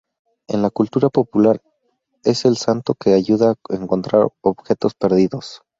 En la cultura popular, es el santo que ayuda a encontrar objetos perdidos.